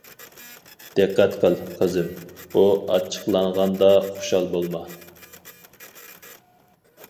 دىققەت قىل، قىزىم، ئۇ ئاچچىقلانغاندا، خۇشال بولما.